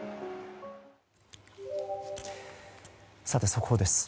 速報です。